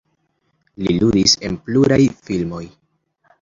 Li ludis en pluraj filmoj.